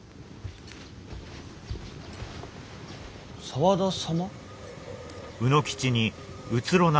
・沢田様？